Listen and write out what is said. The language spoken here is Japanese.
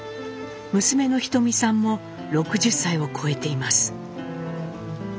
娘のひとみさんも６０歳を超えています。